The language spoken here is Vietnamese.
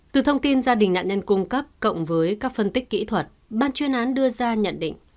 từ thông tin gia đình nạn nhân cung cấp cộng với các phân tích kỹ thuật ban chuyên án đưa ra nhận định